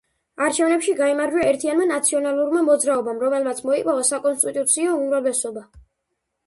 არჩევნებში გაიმარჯვა „ერთიანმა ნაციონალურმა მოძრაობამ“, რომელმაც მოიპოვა საკონსტიტუციო უმრავლესობა.